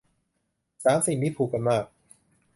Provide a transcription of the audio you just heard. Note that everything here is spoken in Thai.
สามสิ่งนี้ผูกกันมาก